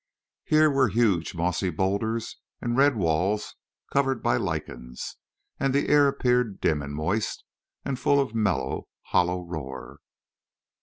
Here were huge mossy boulders, and red walls covered by lichens, and the air appeared dim and moist, and full of mellow, hollow roar.